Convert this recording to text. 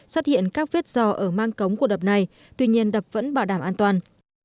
xuất hiện các vết dò ở mang cống của đập này tuy nhiên đập vẫn bảo đảm an toàn